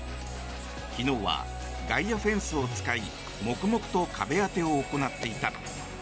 昨日は外野フェンスを使い黙々と壁当てを行っていた。